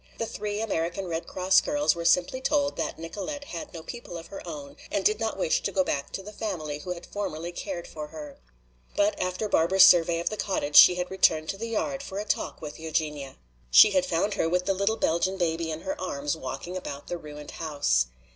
The three American Red Cross girls were simply told that Nicolete had no people of her own and did not wish to go back to the family who had formerly cared for her. But after Barbara's survey of the cottage she had returned to the yard for a talk with Eugenia. She had found her with the little Belgian baby in her arms walking about the ruined house.